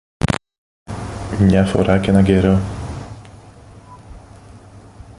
Μια φορά κι έναν καιρό